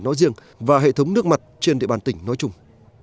nói riêng và hệ thống nước mặt trên địa bàn tỉnh nói chung